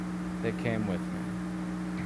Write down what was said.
They came with me.